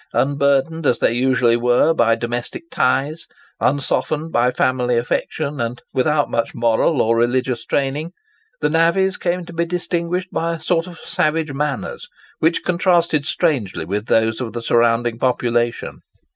Unburdened, as they usually were, by domestic ties, unsoftened by family affection, and without much moral or religious training, the navvies came to be distinguished by a sort of savage manners, which contrasted strangely with those of the surrounding population.